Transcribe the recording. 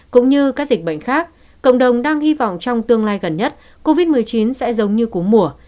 cũng như các dịch bệnh khác cộng đồng đang hy vọng trong tương lai gần nhất covid một mươi chín sẽ giống như cú mùa